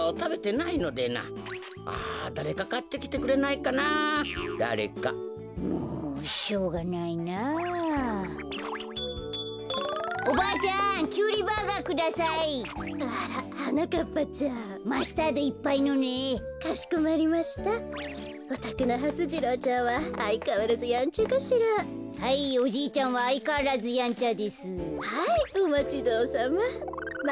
はいおまちどおさま。